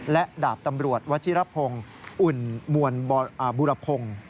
และดาบตำรวจวัชิรพงศ์อุ่นมวลบุรพงศ์